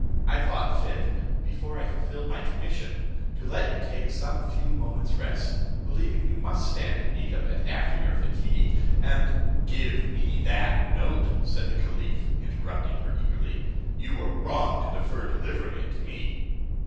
I thought fit, before I fulfilled my commission, to let you take some few moments' rest, believing you must stand in need of it, after your fatigue; and " "Give me that note," said the caliph, interrupting her eagerly, "you were wrong to defer delivering it to me."